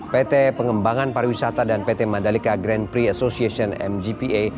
pt pengembangan pariwisata dan pt mandalika grand prix association mgpa